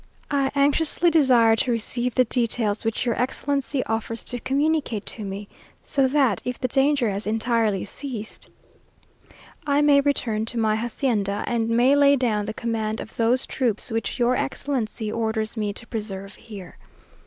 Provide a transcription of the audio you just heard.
I anxiously desire to receive the details which your Excellency offers to communicate to me, so that if the danger has entirely ceased, I may return to my hacienda, and may lay down the command of those troops which your Excellency orders me to preserve here.